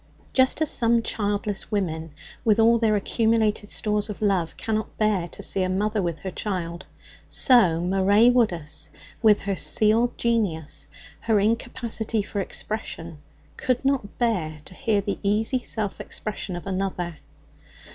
Just as some childless women with all their accumulated stores of love cannot bear to see a mother with her child, so Maray Woodus, with her sealed genius, her incapacity for expression, could not bear to hear the easy self expression of another.